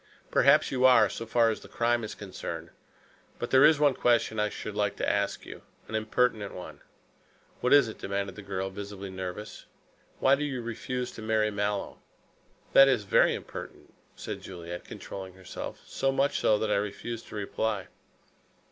"Perhaps you are, so far as the crime is concerned. But there is one question I should like to ask you. An impertinent one." "What is it?" demanded the girl, visibly nervous. "Why do you refuse to marry Mallow?" "That is very impertinent," said Juliet, controlling herself; "so much so that I refuse to reply."